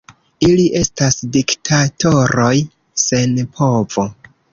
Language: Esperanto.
Ili estas diktatoroj sen povo.